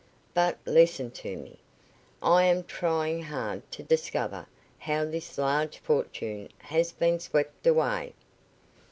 But listen to me. I am trying hard to discover how this large fortune has been swept away."